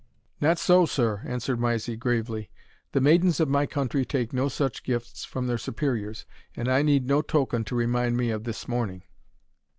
"Not so, sir," answered Mysie, gravely; "the maidens of my country take no such gifts from their superiors, and I need no token to remind me of this morning."